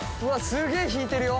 すげぇ引いてるよ！